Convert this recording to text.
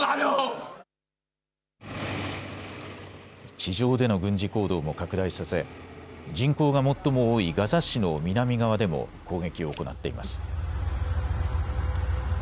地上での軍事行動も拡大させ人口が最も多いガザ市の南側でも攻撃を行っています。